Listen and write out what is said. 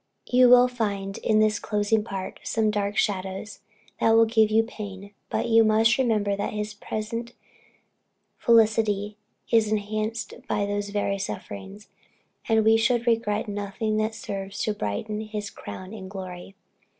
You will find in this closing part, some dark shadows, that will give you pain; but you must remember that his present felicity is enhanced by those very sufferings, and we should regret nothing that serves to brighten his crown in glory.